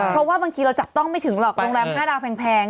เพราะว่าบางทีเราจับต้องไม่ถึงหรอกโรงแรม๕ดาวแพง